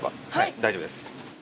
大丈夫です。